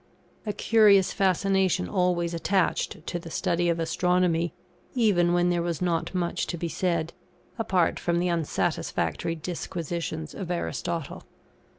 A curious fascination always attached to the study of Astronomy, even when there was not much to be said, apart from the unsatisfactory disquisitions of Aristotle.